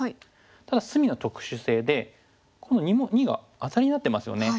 ただ隅の特殊性でこの②がアタリになってますよね。